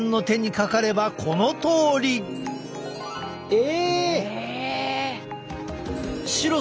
え？